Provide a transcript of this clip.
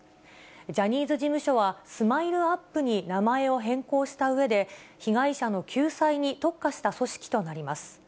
ジャニーズ事務所は、スマイルアップに名前を変更したうえで、被害者の救済に特化した組織となります。